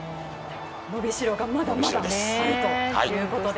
伸びしろがまだまだあるということで。